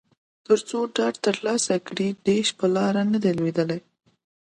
ترڅو ډاډ ترلاسه کړي چې ډیش په لاره نه دی لویدلی